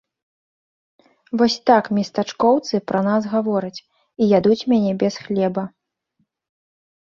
Вось так местачкоўцы пра нас гавораць і ядуць мяне без хлеба.